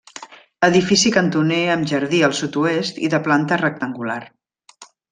Edifici cantoner amb jardí al sud-oest i de planta rectangular.